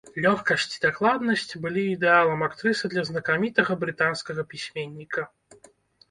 Лёгкасць і дакладнасць былі ідэалам актрысы для знакамітага брытанскага пісьменніка.